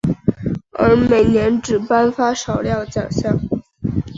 而每年只颁发少量奖项。